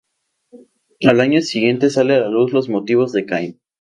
Al año siguiente sale a la luz "Los motivos de Caín".